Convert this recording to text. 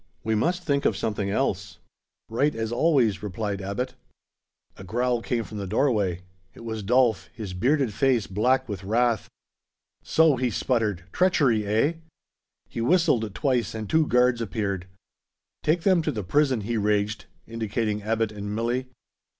We must think of something else." "Right, as always," replied Abbot. A growl came from the doorway. It was Dolf, his bearded face black with wrath. "So?" he sputtered. "Treachery, eh?" He whistled twice and two guards appeared. "Take them to the prison!" he raged, indicating Abbot and Milli.